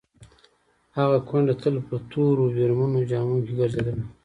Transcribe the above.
هغه کونډه تل په تورو ویرمنو جامو کې ګرځېدله.